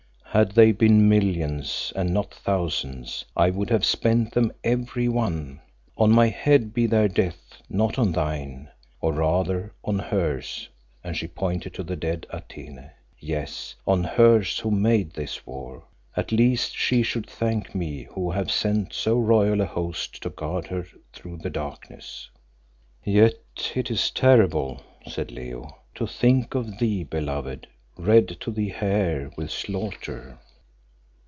"Had they been millions and not thousands, I would have spent them every one. On my head be their deaths, not on thine. Or rather on hers," and she pointed to the dead Atene. "Yes, on hers who made this war. At least she should thank me who have sent so royal a host to guard her through the darkness." "Yet it is terrible," said Leo, "to think of thee, beloved, red to the hair with slaughter."